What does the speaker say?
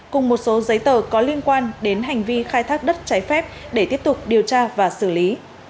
cùng một số giấy tờ có liên quan đến hành vi khai thác đất trái phép để tiếp tục điều tra và xử lý